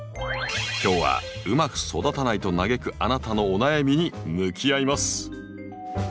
今日はうまく育たないと嘆くあなたのお悩みに向き合います。